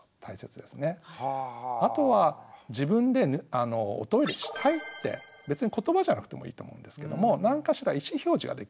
あとは自分でおトイレしたいって別に言葉じゃなくてもいいと思うんですけども何かしら意思表示ができる。